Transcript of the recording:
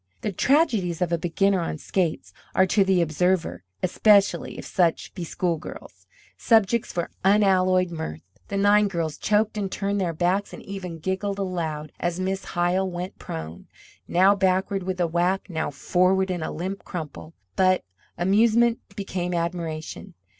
The tragedies of a beginner on skates are to the observers, especially if such be school girls, subjects for unalloyed mirth. The nine girls choked and turned their backs and even giggled aloud as Miss Hyle went prone, now backward with a whack, now forward in a limp crumple. But amusement became admiration.